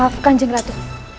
mohon maafkan cang ratu